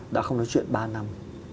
đã không nói chuyện ba năm